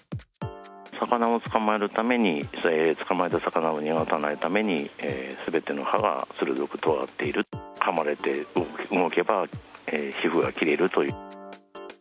魚を捕まえるために、捕まえた魚を逃がさないために、すべての歯が鋭くとがっている、かまれて動けば、皮膚が切れるという。